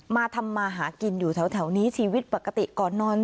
มาทำมาหากินอยู่แถวนี้ชีวิตปกติก่อนนอน